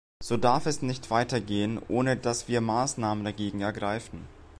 So darf es nicht weitergehen, ohne dass wir Maßnahmen dagegen ergreifen.